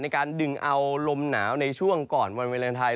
ในการดึงเอาลมหนาวในช่วงก่อนวันวาเลนไทย